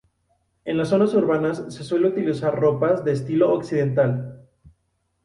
En las zonas urbanas se suele utilizar ropas de estilo occidental.